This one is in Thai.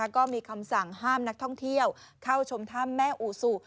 ก็มีคำสั่งห้ามนักท่องเที่ยวเข้าชมถ้ำแม่อูซู